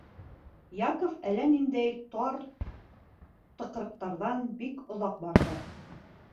Яков әллә ниндәй тар тыҡрыҡтарҙан бик оҙаҡ барҙы.